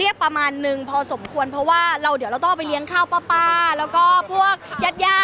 มีความสุขไหมคะมาออกอีเวนต์มีความสุขไหมคะ